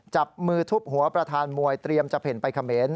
จับมือทุบหัวประธานมวยเตรียมจะเพ่นไปเขมร